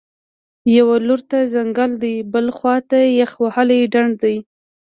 یوه لور ته ځنګل دی، بلې خوا ته یخ وهلی ډنډ دی